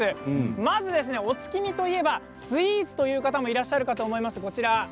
まず、お月見といえばスイーツという方もいらっしゃるかと思います。